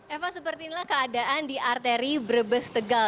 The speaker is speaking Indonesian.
eva seperti inilah keadaan di arteri brebes tegal